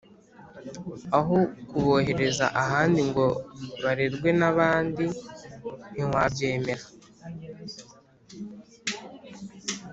aho kubohereza ahandi ngo barerwe n’ abandi ntitwabyemera